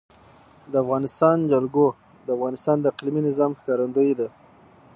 د افغانستان جلکو د افغانستان د اقلیمي نظام ښکارندوی ده.